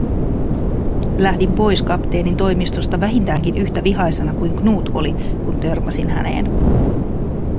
Lähdin pois kapteenin toimistosta vähintäänkin yhtä vihaisena kuin Knut oli, kun törmäsin häneen.